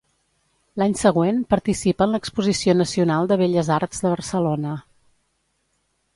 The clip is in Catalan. L'any següent participa en l'Exposició Nacional de Belles Arts de Barcelona.